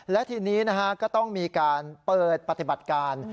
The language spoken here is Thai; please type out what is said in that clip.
และทีนี้ก็ต้องมีการเปิดปฏิบัติการ